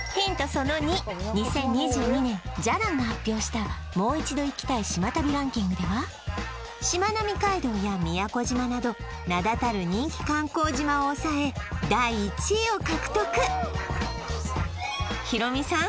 その２２０２２年「じゃらん」が発表したもう一度行きたい島旅ランキングではしまなみ海道や宮古島など名だたる人気観光島をおさえ第１位を獲得ヒロミさん